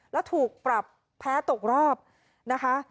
แล้วถูกปรับแพ้ตกรอบนะคะ